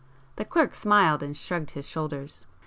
The clerk smiled and shrugged his shoulders.